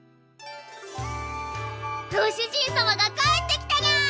ご主人様が帰ってきたにゃ！